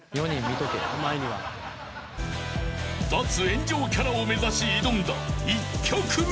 ［脱炎上キャラを目指し挑んだ１曲目］